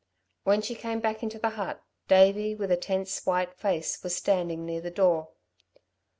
When she came back into the hut Davey, with a tense white face, was standing near the door.